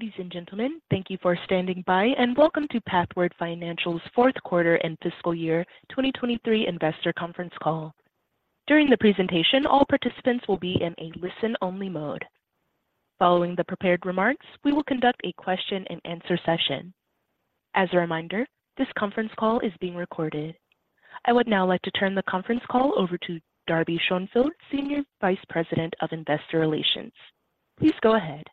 Ladies and gentlemen, thank you for standing by, and welcome to Pathward Financial's fourth quarter and fiscal year 2023 investor conference call. During the presentation, all participants will be in a listen-only mode. Following the prepared remarks, we will conduct a question-and-answer session. As a reminder, this conference call is being recorded. I would now like to turn the conference call over to Darby Schoenfeld, Senior Vice President of Investor Relations. Please go ahead.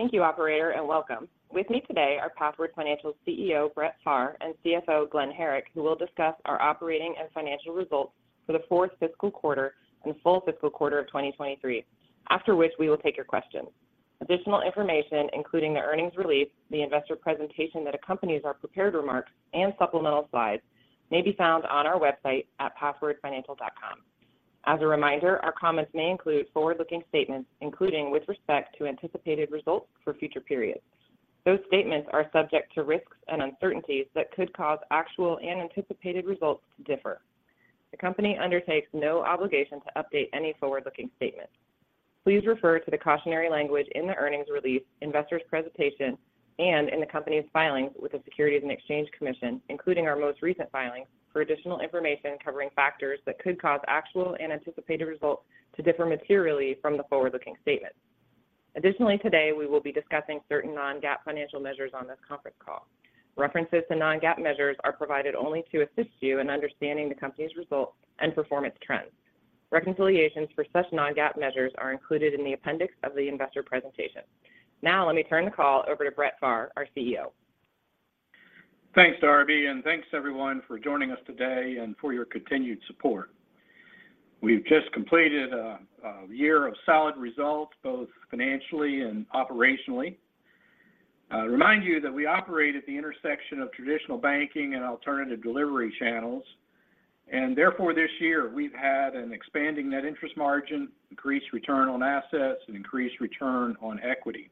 Thank you, operator, and welcome. With me today are Pathward Financial's CEO, Brett Pharr, and CFO, Glen Herrick, who will discuss our operating and financial results for the fourth fiscal quarter and full fiscal quarter of 2023, after which we will take your questions. Additional information, including the earnings release, the investor presentation that accompanies our prepared remarks, and supplemental slides, may be found on our website at pathwardfinancial.com. As a reminder, our comments may include forward-looking statements, including with respect to anticipated results for future periods. Those statements are subject to risks and uncertainties that could cause actual and anticipated results to differ. The company undertakes no obligation to update any forward-looking statements. Please refer to the cautionary language in the earnings release, investor's presentation, and in the company's filings with the Securities and Exchange Commission, including our most recent filings, for additional information covering factors that could cause actual and anticipated results to differ materially from the forward-looking statements. Additionally, today, we will be discussing certain non-GAAP financial measures on this conference call. References to non-GAAP measures are provided only to assist you in understanding the company's results and performance trends. Reconciliations for such non-GAAP measures are included in the appendix of the investor presentation. Now, let me turn the call over to Brett Pharr, our CEO. Thanks, Darby, and thanks, everyone, for joining us today and for your continued support. We've just completed a year of solid results, both financially and operationally. I remind you that we operate at the intersection of traditional banking and alternative delivery channels, and therefore, this year we've had an expanding net interest margin, increased return on assets, and increased return on equity.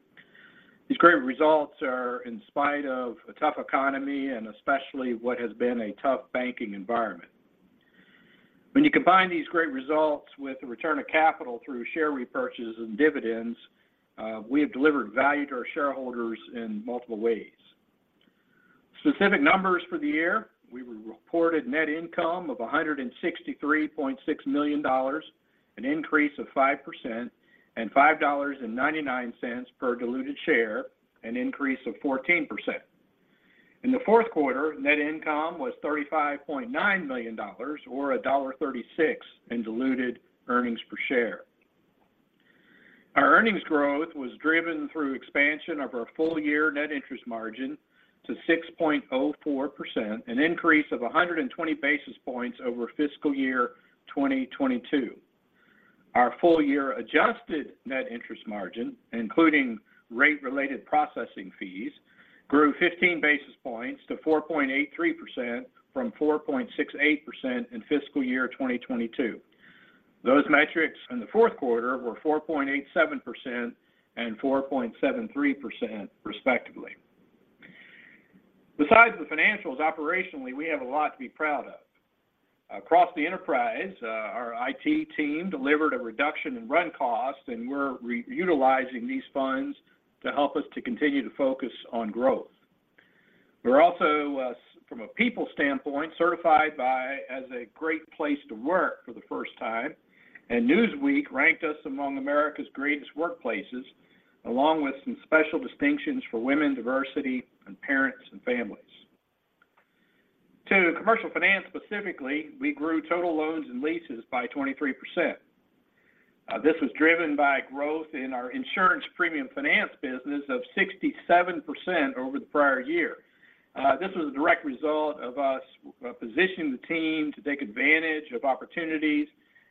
These great results are in spite of a tough economy and especially what has been a tough banking environment. When you combine these great results with the return of capital through share repurchases and dividends, we have delivered value to our shareholders in multiple ways. Specific numbers for the year, we reported net income of $163.6 million, an increase of 5%, and $5.99 per diluted share, an increase of 14%. In the fourth quarter, net income was $35.9 million, or $1.36 in diluted earnings per share. Our earnings growth was driven through expansion of our full-year net interest margin to 6.04%, an increase of 120 basis points over fiscal year 2022. Our full-year adjusted net interest margin, including rate-related processing fees, grew 15 basis points to 4.83% from 4.68% in fiscal year 2022. Those metrics in the fourth quarter were 4.87% and 4.73%, respectively. Besides the financials, operationally, we have a lot to be proud of. Across the enterprise, our IT team delivered a reduction in run costs, and we're re-utilizing these funds to help us to continue to focus on growth. We're also, from a people standpoint, certified by as a Great Place to Work for the first time, and Newsweek ranked us among America's Greatest Workplaces, along with some special distinctions for women, diversity, and parents and families. To Commercial Finance, specifically, we grew total loans and leases by 23%. This was driven by growth in our insurance premium finance business of 67% over the prior year. This was a direct result of us positioning the team to take advantage of opportunities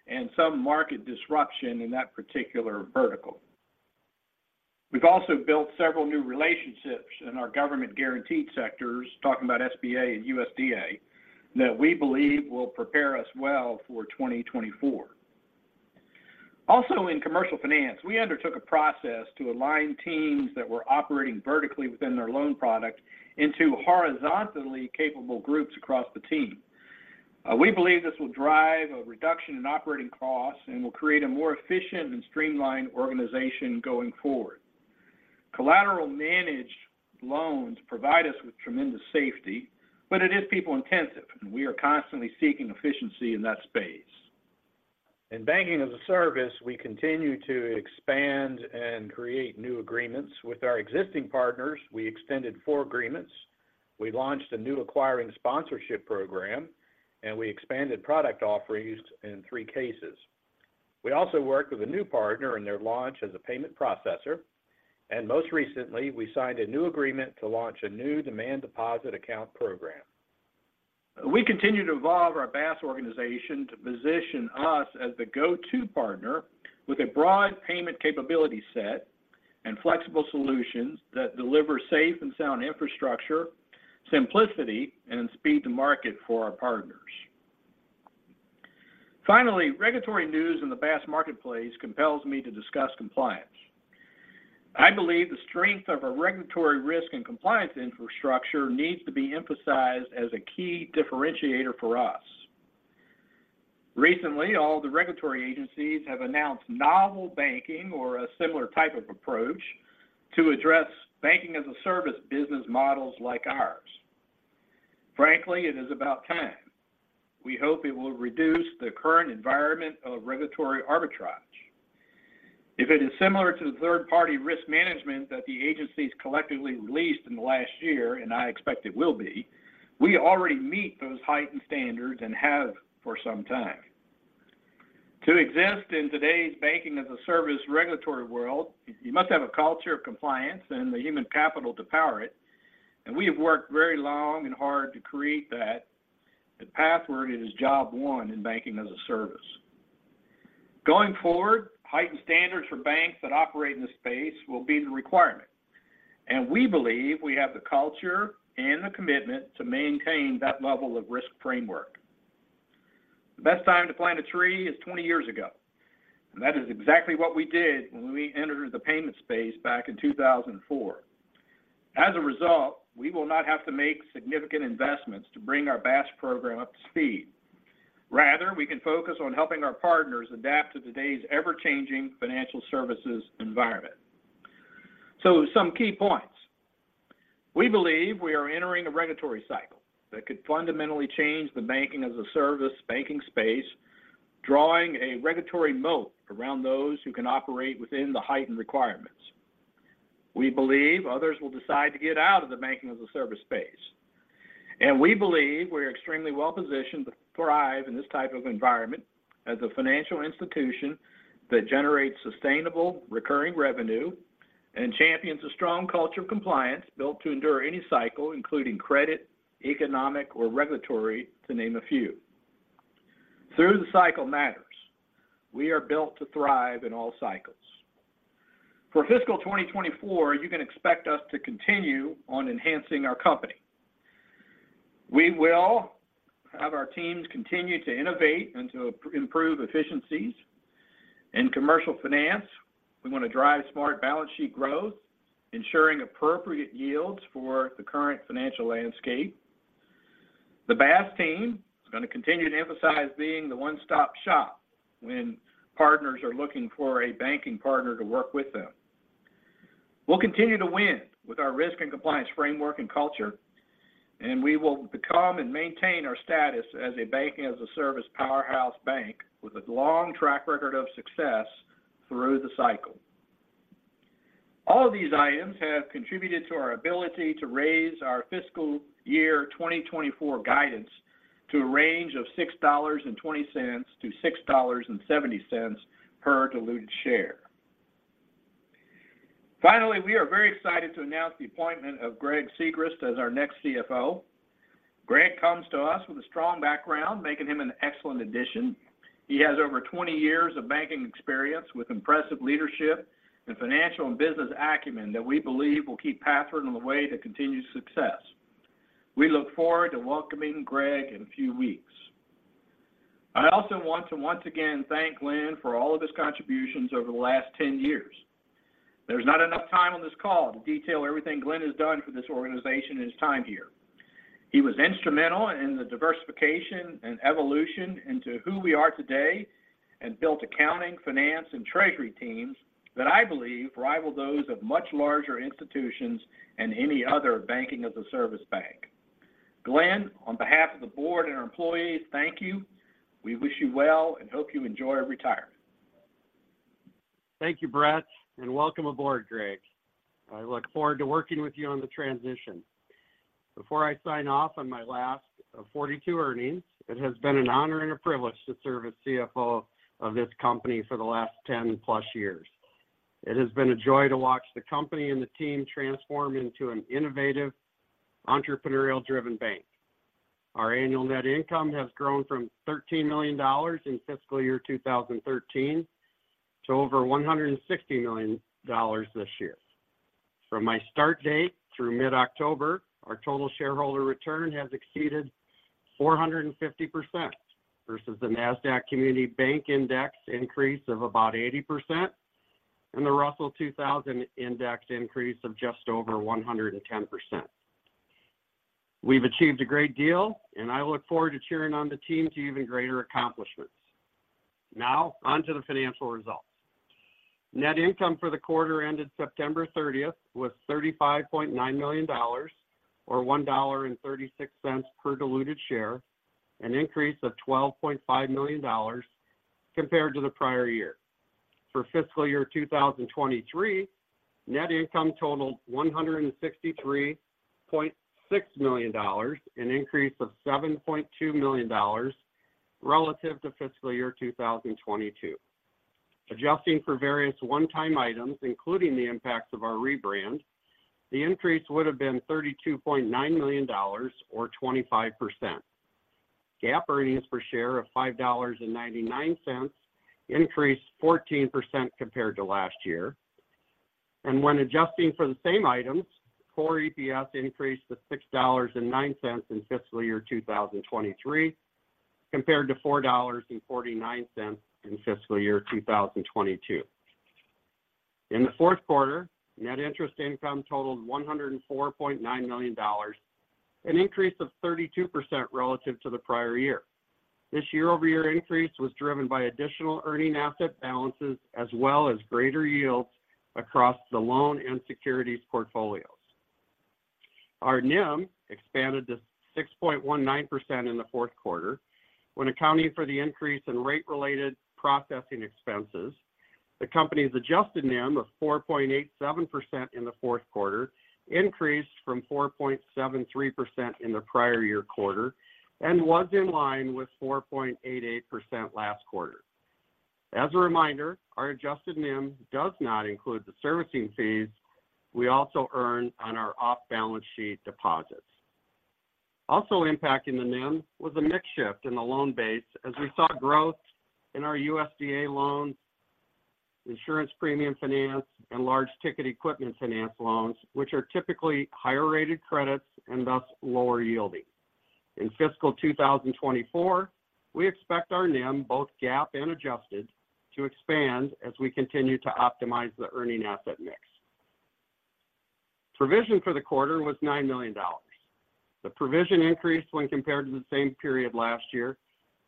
and some market disruption in that particular vertical. We've also built several new relationships in our government-guaranteed sectors, talking about SBA and USDA, that we believe will prepare us well for 2024. Also, in Commercial Finance, we undertook a process to align teams that were operating vertically within their loan product into horizontally capable groups across the team. We believe this will drive a reduction in operating costs and will create a more efficient and streamlined organization going forward. Collateral managed loans provide us with tremendous safety, but it is people-intensive, and we are constantly seeking efficiency in that space. In banking-as-a-service, we continue to expand and create new agreements. With our existing partners, we extended four agreements. We launched a new acquiring sponsorship program, and we expanded product offerings in three cases. We also worked with a new partner in their launch as a payment processor, and most recently, we signed a new agreement to launch a new demand deposit account program. We continue to evolve our BaaS organization to position us as the go-to partner with a broad payment capability set and flexible solutions that deliver safe and sound infrastructure, simplicity, and speed to market for our partners. Finally, regulatory news in the BaaS marketplace compels me to discuss compliance. I believe the strength of a regulatory risk and compliance infrastructure needs to be emphasized as a key differentiator for us.... Recently, all the regulatory agencies have announced novel banking or a similar type of approach to address banking-as-a-service business models like ours. Frankly, it is about time. We hope it will reduce the current environment of regulatory arbitrage. If it is similar to the third-party risk management that the agencies collectively released in the last year, and I expect it will be, we already meet those heightened standards and have for some time. To exist in today's banking-as-a-service regulatory world, you must have a culture of compliance and the human capital to power it, and we have worked very long and hard to create that. At Pathward, it is job one in banking-as-a-service. Going forward, heightened standards for banks that operate in this space will be the requirement, and we believe we have the culture and the commitment to maintain that level of risk framework. The best time to plant a tree is 20 years ago, and that is exactly what we did when we entered the payment space back in 2004. As a result, we will not have to make significant investments to bring our BaaS program up to speed. Rather, we can focus on helping our partners adapt to today's ever-changing financial services environment. So some key points. We believe we are entering a regulatory cycle that could fundamentally change the banking-as-a-service banking space, drawing a regulatory moat around those who can operate within the heightened requirements. We believe others will decide to get out of the banking-as-a-service space, and we believe we're extremely well-positioned to thrive in this type of environment as a financial institution that generates sustainable, recurring revenue and champions a strong culture of compliance built to endure any cycle, including credit, economic, or regulatory, to name a few. Through the cycle matters, we are built to thrive in all cycles. For fiscal 2024, you can expect us to continue on enhancing our company. We will have our teams continue to innovate and to improve efficiencies. In Commercial Finance, we want to drive smart balance sheet growth, ensuring appropriate yields for the current financial landscape. The BaaS team is going to continue to emphasize being the one-stop shop when partners are looking for a banking partner to work with them. We'll continue to win with our risk and compliance framework and culture, and we will become and maintain our status as a banking-as-a-service powerhouse bank with a long track record of success through the cycle. All of these items have contributed to our ability to raise our fiscal year 2024 guidance to a range of $6.20-$6.70 per diluted share. Finally, we are very excited to announce the appointment of Greg Sigrist as our next CFO. Greg comes to us with a strong background, making him an excellent addition. He has over 20 years of banking experience with impressive leadership and financial and business acumen that we believe will keep Pathward on the way to continued success. We look forward to welcoming Greg in a few weeks. I also want to once again thank Glen for all of his contributions over the last 10 years. There's not enough time on this call to detail everything Glen has done for this organization in his time here. He was instrumental in the diversification and evolution into who we are today, and built accounting, finance, and treasury teams that I believe rival those of much larger institutions and any other banking-as-a-service bank. Glen, on behalf of the board and our employees, thank you. We wish you well and hope you enjoy retirement. Thank you, Brett, and welcome aboard, Greg. I look forward to working with you on the transition. Before I sign off on my last of 42 earnings, it has been an honor and a privilege to serve as CFO of this company for the last ten-plus years. It has been a joy to watch the company and the team transform into an innovative, entrepreneurial-driven bank. Our annual net income has grown from $13 million in fiscal year 2013 to over $160 million this year. From my start date through mid-October, our total shareholder return has exceeded 450% versus the Nasdaq Community Bank Index increase of about 80% and the Russell 2000 Index increase of just over 110%. We've achieved a great deal, and I look forward to cheering on the team to even greater accomplishments. Now, on to the financial results. Net income for the quarter ended September 30 was $35.9 million, or $1.36 per diluted share, an increase of $12.5 million compared to the prior year. For fiscal year 2023, net income totaled $163.6 million, an increase of $7.2 million relative to fiscal year 2022. Adjusting for various one-time items, including the impacts of our rebrand, the increase would have been $32.9 million or 25%. GAAP earnings per share of $5.99 increased 14% compared to last year. When adjusting for the same items, core EPS increased to $6.09 in fiscal year 2023, compared to $4.49 in fiscal year 2022. In the fourth quarter, net interest income totaled $104.9 million, an increase of 32% relative to the prior year. This year-over-year increase was driven by additional earning asset balances, as well as greater yields across the loan and securities portfolios. Our NIM expanded to 6.19% in the fourth quarter, when accounting for the increase in rate-related processing expenses. The company's adjusted NIM of 4.87% in the fourth quarter increased from 4.73% in the prior year quarter and was in line with 4.88% last quarter. As a reminder, our adjusted NIM does not include the servicing fees we also earn on our off-balance sheet deposits. Also impacting the NIM was a mix shift in the loan base, as we saw growth in our USDA loans, insurance premium finance, and large ticket equipment finance loans, which are typically higher-rated credits and thus lower yielding. In fiscal 2024, we expect our NIM, both GAAP and adjusted, to expand as we continue to optimize the earning asset mix. Provision for the quarter was $9 million. The provision increased when compared to the same period last year,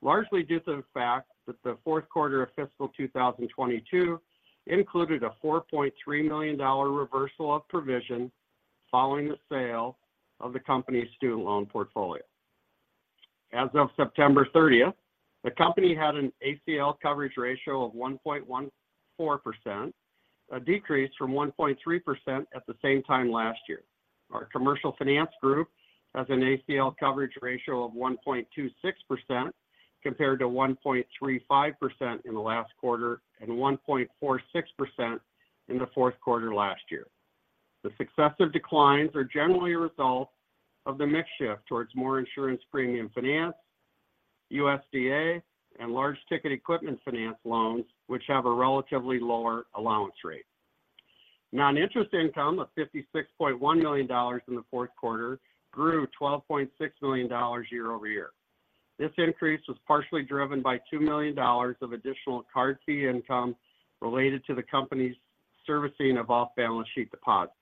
largely due to the fact that the fourth quarter of fiscal 2022 included a $4.3 million reversal of provision following the sale of the company's student loan portfolio. As of September 30, the company had an ACL coverage ratio of 1.14%, a decrease from 1.3% at the same time last year. Our Commercial Finance group has an ACL coverage ratio of 1.26%, compared to 1.35% in the last quarter and 1.46% in the fourth quarter last year. The successive declines are generally a result of the mix shift towards more insurance premium finance, USDA, and large ticket equipment finance loans, which have a relatively lower allowance rate. Non-interest income of $56.1 million in the fourth quarter grew $12.6 million year over year. This increase was partially driven by $2 million of additional card fee income related to the company's servicing of off-balance sheet deposits.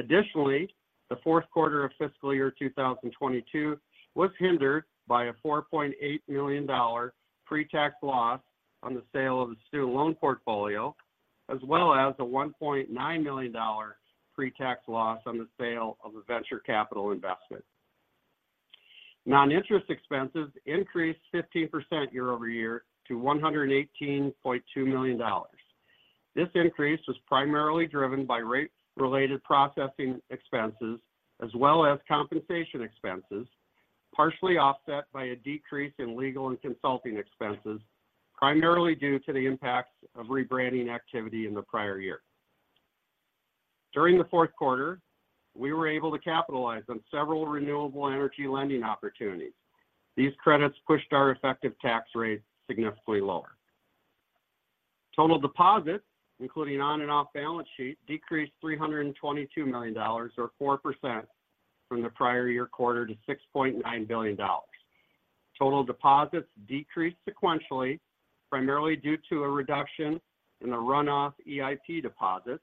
Additionally, the fourth quarter of fiscal year 2022 was hindered by a $4.8 million pre-tax loss on the sale of the student loan portfolio, as well as a $1.9 million pre-tax loss on the sale of a venture capital investment. Non-interest expenses increased 15% year-over-year to $118.2 million. This increase was primarily driven by rate-related processing expenses as well as compensation expenses, partially offset by a decrease in legal and consulting expenses, primarily due to the impacts of rebranding activity in the prior year. During the fourth quarter, we were able to capitalize on several renewable energy lending opportunities. These credits pushed our effective tax rate significantly lower. Total deposits, including on and off-balance sheet, decreased $322 million or 4% from the prior year quarter to $6.9 billion. Total deposits decreased sequentially, primarily due to a reduction in the runoff EIP deposits,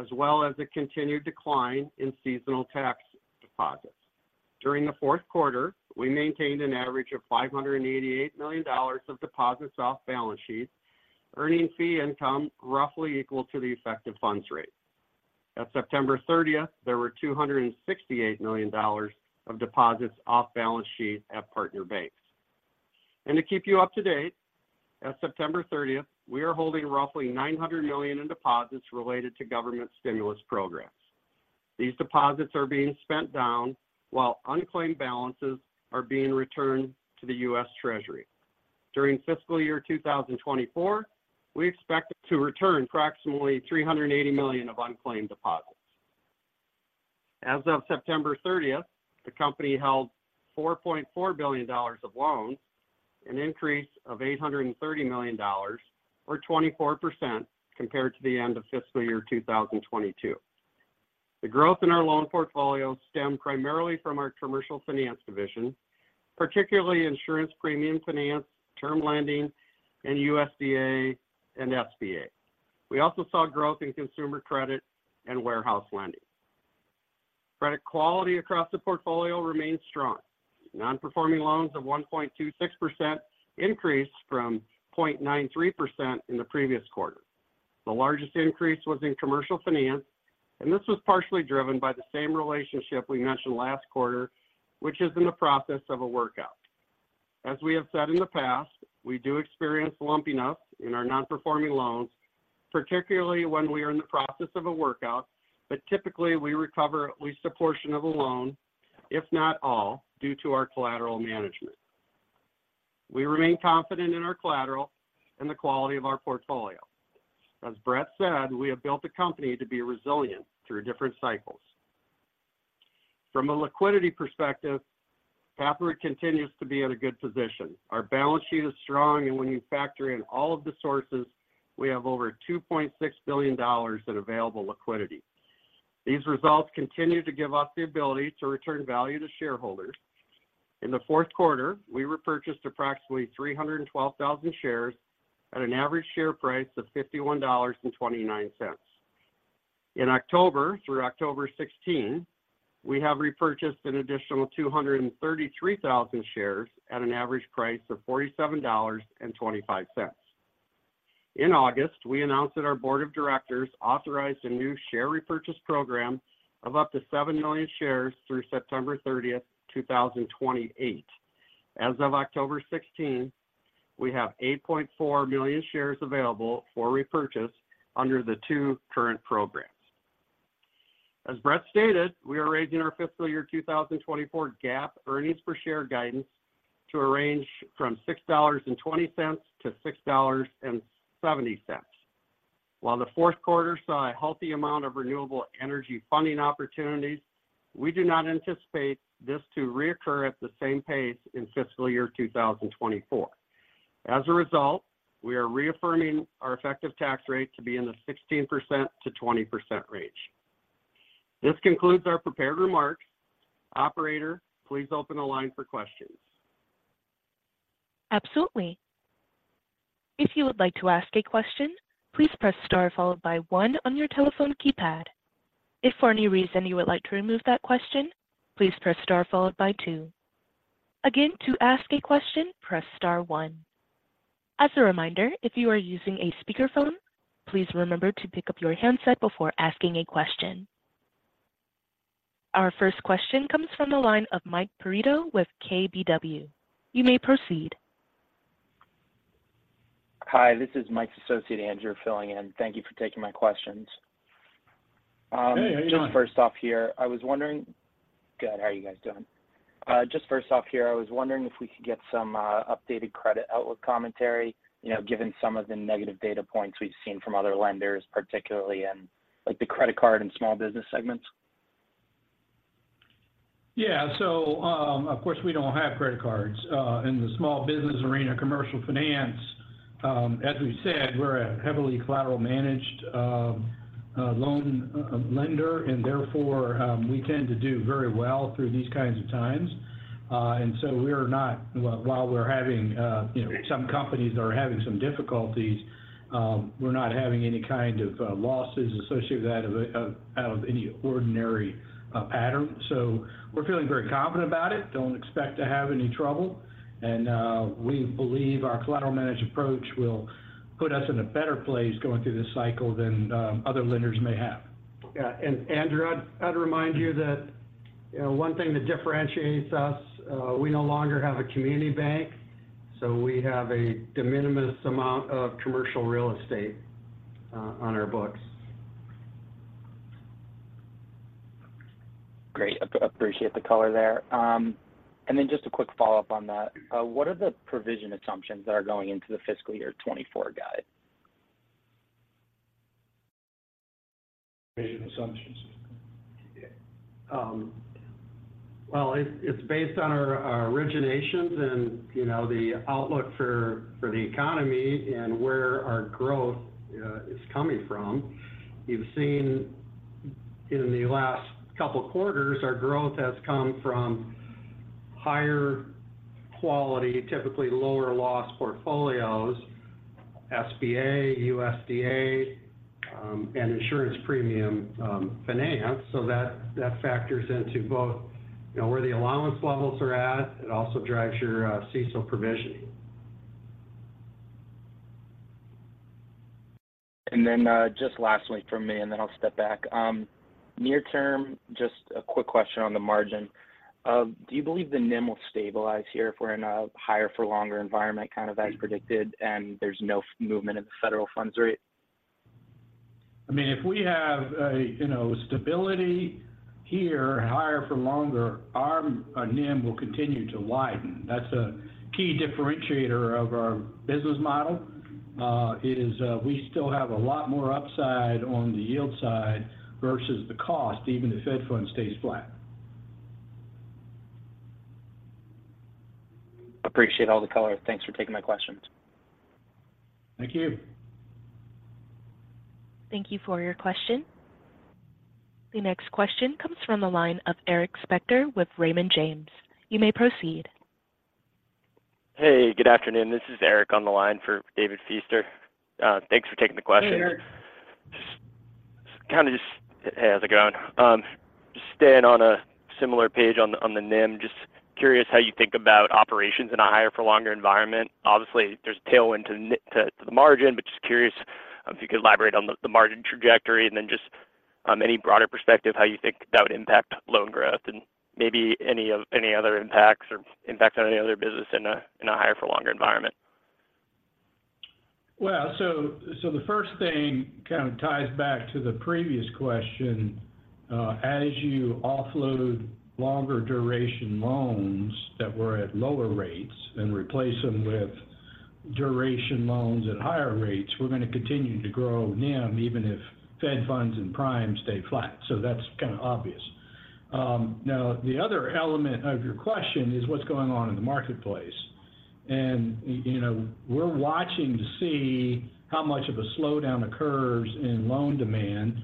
as well as a continued decline in seasonal tax deposits. During the fourth quarter, we maintained an average of $588 million of deposits off balance sheet, earning fee income roughly equal to the effective funds rate. At September 30, there were $268 million of deposits off balance sheet at partner banks. And to keep you up to date, as of September 30, we are holding roughly $900 million in deposits related to government stimulus programs. These deposits are being spent down while unclaimed balances are being returned to the U.S. Treasury. During fiscal year 2024, we expect to return approximately $380 million of unclaimed deposits. As of September 30, the company held $4.4 billion of loans, an increase of $830 million or 24% compared to the end of fiscal year 2022. The growth in our loan portfolio stemmed primarily from our Commercial Finance division, particularly insurance premium finance, term lending, and USDA and SBA. We also saw growth in consumer credit and warehouse lending. Credit quality across the portfolio remains strong. Non-performing loans of 1.26% increased from 0.93% in the previous quarter. The largest increase was in Commercial Finance, and this was partially driven by the same relationship we mentioned last quarter, which is in the process of a workout. As we have said in the past, we do experience lumpiness in our non-performing loans, particularly when we are in the process of a workout, but typically, we recover at least a portion of the loan, if not all, due to our collateral management. We remain confident in our collateral and the quality of our portfolio. As Brett said, we have built the company to be resilient through different cycles. From a liquidity perspective, Pathward continues to be in a good position. Our balance sheet is strong, and when you factor in all of the sources, we have over $2.6 billion in available liquidity. These results continue to give us the ability to return value to shareholders. ... In the fourth quarter, we repurchased approximately 312,000 shares at an average share price of $51.29. In October, through October 16, we have repurchased an additional 233,000 shares at an average price of $47.25. In August, we announced that our board of directors authorized a new share repurchase program of up to 7 million shares through September 30, 2028. As of October 16, we have 8.4 million shares available for repurchase under the two current programs. As Brett stated, we are raising our fiscal year 2024 GAAP earnings per share guidance to a range from $6.20 to $6.70. While the fourth quarter saw a healthy amount of renewable energy funding opportunities, we do not anticipate this to reoccur at the same pace in fiscal year 2024. As a result, we are reaffirming our effective tax rate to be in the 16%-20% range. This concludes our prepared remarks. Operator, please open the line for questions. Absolutely. If you would like to ask a question, please press Star, followed by one on your telephone keypad. If for any reason you would like to remove that question, please press Star, followed by two. Again, to ask a question, press Star one. As a reminder, if you are using a speakerphone, please remember to pick up your handset before asking a question. Our first question comes from the line of Mike Perito with KBW. You may proceed. Hi, this is Mike's associate, Andrew, filling in. Thank you for taking my questions. Hey, how are you doing? Good. How are you guys doing? Just first off here, I was wondering if we could get some updated credit outlook commentary, you know, given some of the negative data points we've seen from other lenders, particularly in, like, the credit card and small business segments. Yeah. So, of course, we don't have credit cards. In the small business arena, Commercial Finance, as we've said, we're a heavily collateral-managed loan lender, and therefore, we tend to do very well through these kinds of times. And so we're not. While we're having, you know, some companies are having some difficulties, we're not having any kind of losses associated with that, out of any ordinary pattern. So we're feeling very confident about it, don't expect to have any trouble, and we believe our collateral managed approach will put us in a better place going through this cycle than other lenders may have. Yeah, and Andrew, I'd remind you that one thing that differentiates us, we no longer have a community bank, so we have a de minimis amount of commercial real estate on our books. Great. Appreciate the color there. And then just a quick follow-up on that. What are the provision assumptions that are going into the fiscal year 2024 guide? Provision assumptions. Yeah. Well, it's based on our originations and, you know, the outlook for the economy and where our growth is coming from. You've seen in the last couple of quarters, our growth has come from higher quality, typically lower loss portfolios, SBA, USDA, and insurance premium finance. So that factors into both, you know, where the allowance levels are at. It also drives your CECL provisioning. Then, just lastly from me, and then I'll step back. Near term, just a quick question on the margin. Do you believe the NIM will stabilize here if we're in a higher for longer environment, kind of as predicted, and there's no movement in the federal funds rate? I mean, if we have a, you know, stability here, higher for longer, our NIM will continue to widen. That's a key differentiator of our business model, we still have a lot more upside on the yield side versus the cost, even if Fed Fund stays flat. Appreciate all the color. Thanks for taking my questions. Thank you. Thank you for your question. The next question comes from the line of Eric Spector with Raymond James. You may proceed. Hey, good afternoon. This is Eric on the line for David Feaster. Thanks for taking the question. Hey, Eric. Hey, how's it going? Just staying on a similar page on the NIM. Just curious how you think about operations in a higher for longer environment. Obviously, there's a tailwind to the margin, but just curious if you could elaborate on the margin trajectory, and then just any broader perspective, how you think that would impact loan growth and maybe any other impacts or impacts on any other business in a higher for longer environment. Well, so, so the first thing kind of ties back to the previous question. As you offload longer duration loans that were at lower rates and replace them with duration loans at higher rates, we're going to continue to grow NIM, even if Fed funds and prime stay flat. So that's kind of obvious. Now, the other element of your question is what's going on in the marketplace? And you know, we're watching to see how much of a slowdown occurs in loan demand.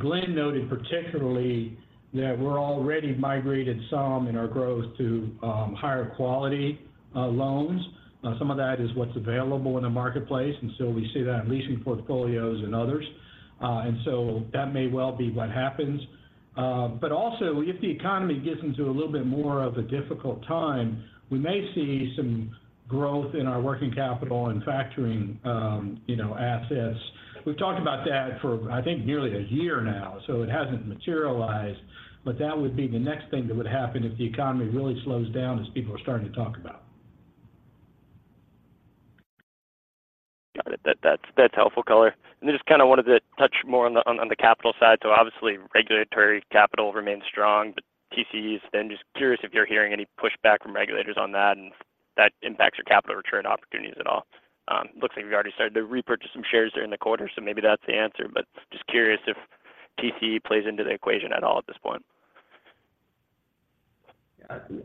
Glen noted particularly that we're already migrated some in our growth to higher quality loans. Some of that is what's available in the marketplace, and so we see that in leasing portfolios and others. And so that may well be what happens. But also, if the economy gets into a little bit more of a difficult time, we may see some growth in our working capital and factoring, you know, assets. We've talked about that for, I think, nearly a year now, so it hasn't materialized, but that would be the next thing that would happen if the economy really slows down as people are starting to talk about. Got it. That's helpful color. And then just kind of wanted to touch more on the capital side. So obviously, regulatory capital remains strong, but TCEs, then just curious if you're hearing any pushback from regulators on that, and that impacts your capital return opportunities at all? Looks like you've already started to repurchase some shares during the quarter, so maybe that's the answer. But just curious if TCE plays into the equation at all, at this point.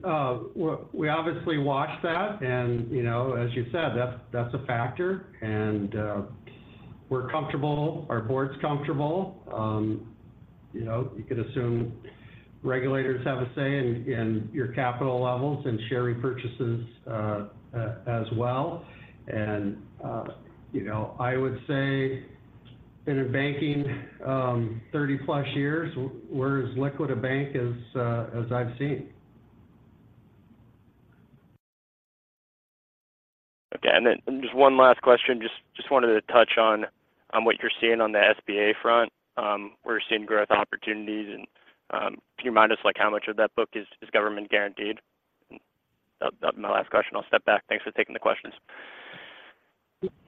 Well, we obviously watch that, and, you know, as you said, that's a factor. And, we're comfortable, our board's comfortable. You know, you could assume regulators have a say in your capital levels and share repurchases, as well. And, you know, I would say in banking, 30+ years, we're as liquid a bank as I've seen. Okay, and then just one last question. Just wanted to touch on what you're seeing on the SBA front, where you're seeing growth opportunities, and can you remind us, like, how much of that book is government-guaranteed? And that's my last question. I'll step back. Thanks for taking the questions.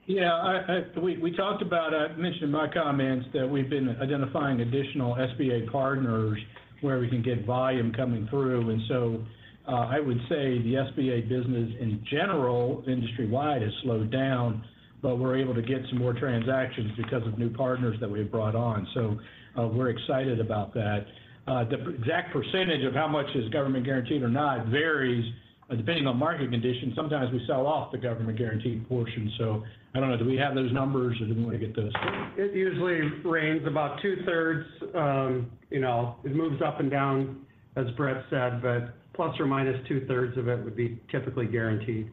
Yeah, I—we talked about, I mentioned in my comments that we've been identifying additional SBA partners where we can get volume coming through. And so, I would say the SBA business in general, industry-wide, has slowed down, but we're able to get some more transactions because of new partners that we've brought on. So, we're excited about that. The exact percentage of how much is government-guaranteed or not varies, depending on market conditions. Sometimes we sell off the government-guaranteed portion, so I don't know, do we have those numbers, or do we want to get those? It usually rains about two-thirds, you know, it moves up and down, as Brett said, but plus or minus two-thirds of it would be typically guaranteed.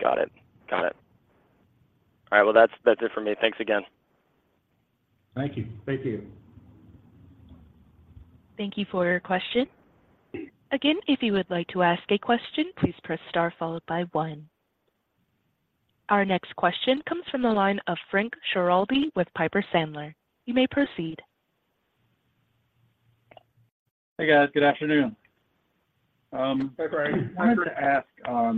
Got it. Got it. All right, well, that's, that's it for me. Thanks again. Thank you. Thank you. Thank you for your question. Again, if you would like to ask a question, please press star followed by one. Our next question comes from the line of Frank Schiraldi with Piper Sandler. You may proceed. Hey, guys. Good afternoon. I wanted to ask, on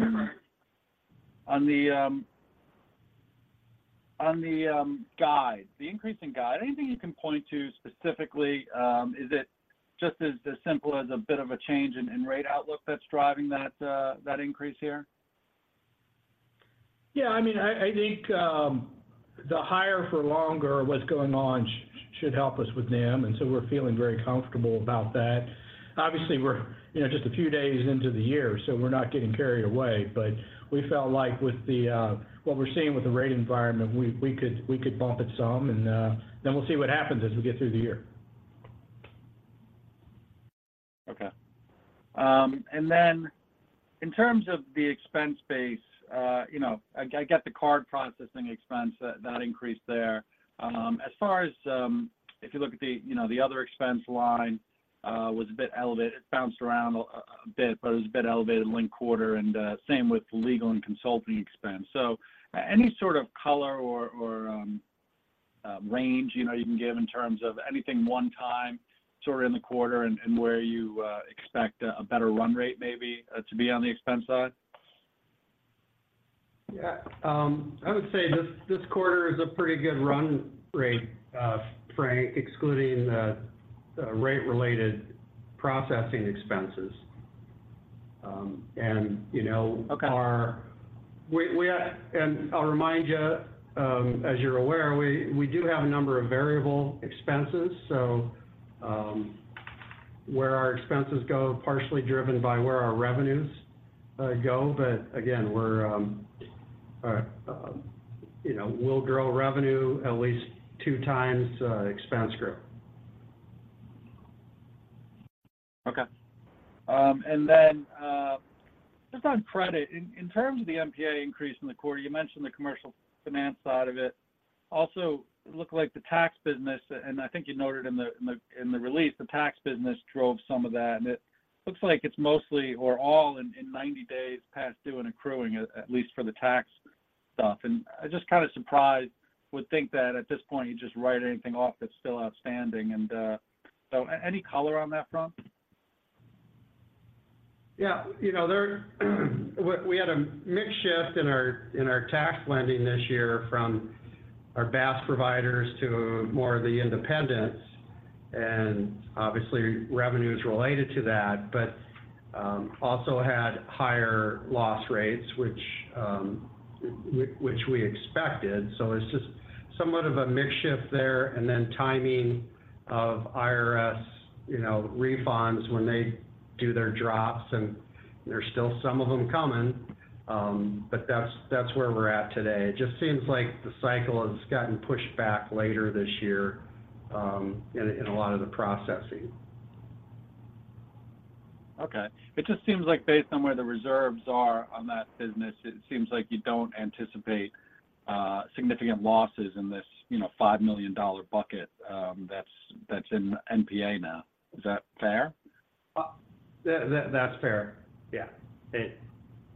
the guide, the increase in guide, anything you can point to specifically? Is it just as simple as a bit of a change in rate outlook that's driving that increase here? Yeah, I mean, I think the higher for longer, what's going on, should help us with NIM, and so we're feeling very comfortable about that. Obviously, we're, you know, just a few days into the year, so we're not getting carried away. But we felt like with what we're seeing with the rate environment, we could bump it some, and then we'll see what happens as we get through the year. Okay. And then in terms of the expense base, you know, I get the card processing expense that increased there. As far as if you look at the, you know, the other expense line, was a bit elevated. It bounced around a bit, but it was a bit elevated linked quarter, and same with legal and consulting expense. So any sort of color or range, you know, you can give in terms of anything one time, sort of in the quarter, and where you expect a better run rate maybe to be on the expense side? Yeah, I would say this, this quarter is a pretty good run rate, Frank, excluding the rate-related processing expenses. And, you know- Okay We, and I'll remind you, as you're aware, we do have a number of variable expenses, so where our expenses go, partially driven by where our revenues go. But again, we're, you know, we'll grow revenue at least two times expense growth. Okay. And then, just on credit, in terms of the NPA increase in the quarter, you mentioned the Commercial Finance side of it. Also, it looked like the tax business, and I think you noted in the release, the tax business drove some of that, and it looks like it's mostly or all in 90 days past due and accruing, at least for the tax stuff. And I just kind of surprised, would think that at this point, you just write anything off that's still outstanding and... So any color on that front? Yeah, you know, we had a mix shift in our tax lending this year from our BaaS providers to more of the independents, and obviously, revenue is related to that. But also had higher loss rates, which we expected. So it's just somewhat of a mix shift there, and then timing of IRS, you know, refunds when they do their drops, and there's still some of them coming. But that's where we're at today. It just seems like the cycle has gotten pushed back later this year in a lot of the processing. Okay. It just seems like based on where the reserves are on that business, it seems like you don't anticipate significant losses in this, you know, $5 million bucket, that's in NPA now. Is that fair? Well, that's fair. Yeah.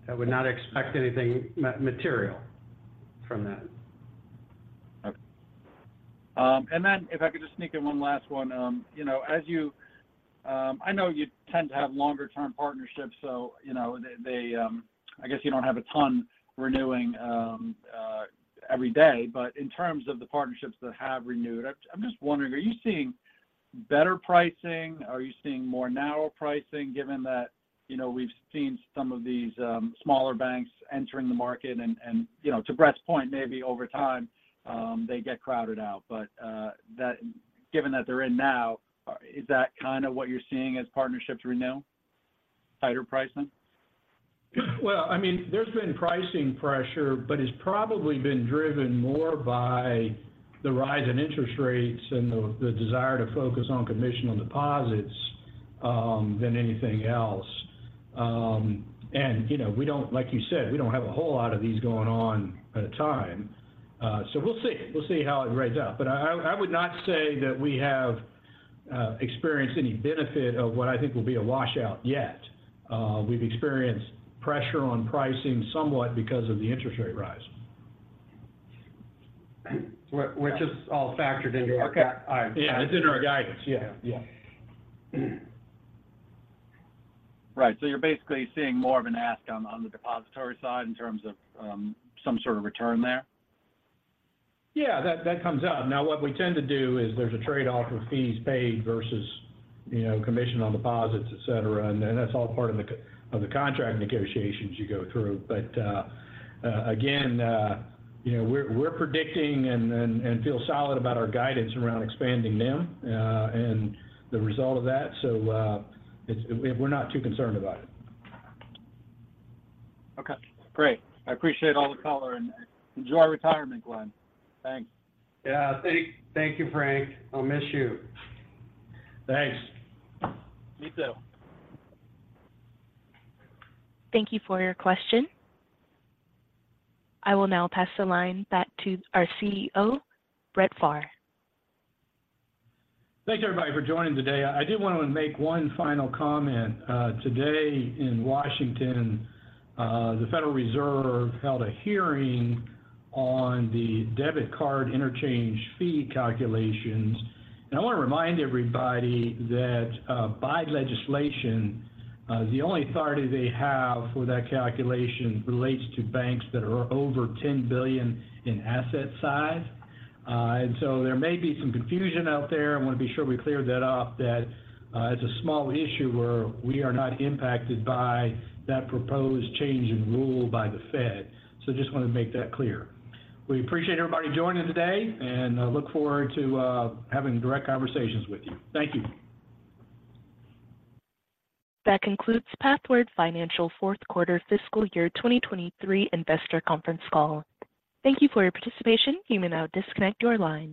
I would not expect anything material from that. Okay. And then if I could just sneak in one last one. You know, as you—I know you tend to have longer-term partnerships, so, you know, they, I guess you don't have a ton renewing every day. But in terms of the partnerships that have renewed, I'm just wondering, are you seeing better pricing? Are you seeing more narrow pricing, given that, you know, we've seen some of these smaller banks entering the market and, you know, to Brett's point, maybe over time they get crowded out. But that—given that they're in now, is that kind of what you're seeing as partnerships renew, tighter pricing? Well, I mean, there's been pricing pressure, but it's probably been driven more by the rise in interest rates and the desire to focus on competition on deposits than anything else. And, you know, we don't—like you said, we don't have a whole lot of these going on at a time. So we'll see. We'll see how it plays out. But I would not say that we have experienced any benefit of what I think will be a washout yet. We've experienced pressure on pricing somewhat because of the interest rate rise. Which is all factored into our- Okay. All right. Yeah, it's in our guidance. Yeah. Yeah. Right. So you're basically seeing more of an ask on the depository side in terms of some sort of return there? Yeah, that comes up. Now, what we tend to do is there's a trade-off of fees paid versus, you know, commission on deposits, et cetera, and then that's all part of the of the contract negotiations you go through. But again, you know, we're predicting and feel solid about our guidance around expanding them and the result of that. So, it's, we're not too concerned about it. Okay, great. I appreciate all the color, and enjoy retirement, Glen. Thanks. Yeah. Thank you, Frank. I'll miss you. Thanks. Me too. Thank you for your question. I will now pass the line back to our CEO, Brett Pharr. Thanks, everybody, for joining today. I did want to make one final comment. Today in Washington, the Federal Reserve held a hearing on the debit card interchange fee calculations. I want to remind everybody that, by legislation, the only authority they have for that calculation relates to banks that are over 10 billion in asset size. And so there may be some confusion out there. I want to be sure we cleared that up, that it's a small issue where we are not impacted by that proposed change in rule by the Fed. So just want to make that clear. We appreciate everybody joining today, and I look forward to having direct conversations with you. Thank you. That concludes Pathward Financial fourth quarter fiscal year 2023 investor conference call. Thank you for your participation. You may now disconnect your line.